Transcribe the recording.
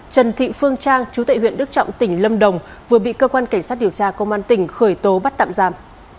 trần thị phương trang chú tệ huyện đức trọng tỉnh lâm đồng vừa bị cơ quan cảnh sát điều tra công an tỉnh khởi tố bắt tạm giam